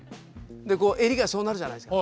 襟がそうなるじゃないですか。